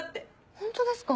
ホントですか？